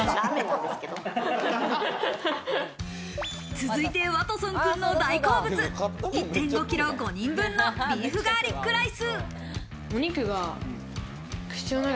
続いてワトソンくんの大好物、１．５ｋｇ、５人分のビーフガーリックライス。